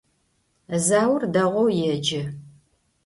Zaur değou yêce.